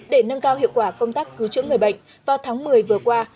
để nâng cao hiệu quả công tác cứu chữa người bệnh vào tháng một mươi vừa qua